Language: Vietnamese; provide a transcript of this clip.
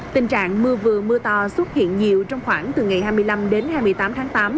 tình trạng mưa vừa mưa to xuất hiện nhiều trong khoảng từ ngày hai mươi năm đến hai mươi tám tháng tám